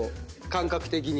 感覚的に。